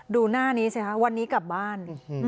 ดูหน้านี้สิคะวันนี้กลับบ้าน